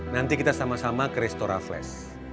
nanti kita sama sama ke restora flash